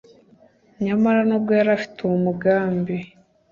Nyamara nubwo yari afite uwo mugambi